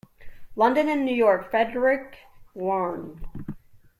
London and New York: Frederick Warne.